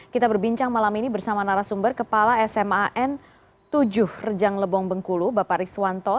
kita berbincang malam ini bersama narasumber kepala sma n tujuh rejang lebong bengkulu bapak paris wanto